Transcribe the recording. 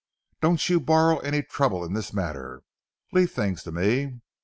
"Don't you borrow any trouble in this matter—leave things to me.